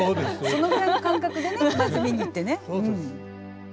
そのぐらいの感覚でねまず見に行ってね。